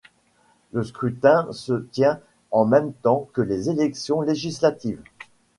Le scrutin se tient en même temps que les élections législatives.